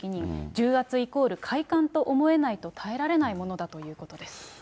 重圧イコール快感と思えないと耐えられないものだということです。